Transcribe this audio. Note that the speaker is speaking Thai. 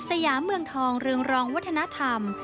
สยามเมืองทองเรืองรองวัฒนธรรม